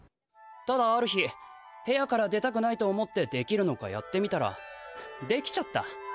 ただある日部屋から出たくないと思ってできるのかやってみたらできちゃった。